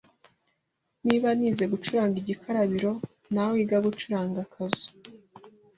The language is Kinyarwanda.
Niba nize gucuranga igikarabiro nawe iga gucuranga kazoo,